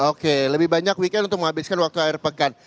oke lebih banyak weekend untuk menghabiskan waktu air pekan